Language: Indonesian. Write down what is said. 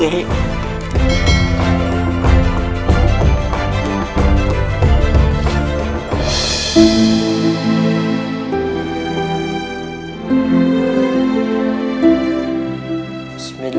jadi apa maksudmu sekarang